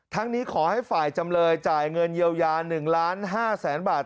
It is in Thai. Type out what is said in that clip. นี้ขอให้ฝ่ายจำเลยจ่ายเงินเยียวยา๑ล้าน๕แสนบาท